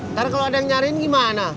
ntar kalau ada yang nyariin gimana